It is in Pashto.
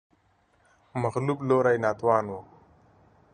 مغلوب لوری ناتوان و